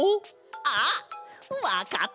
あっわかった！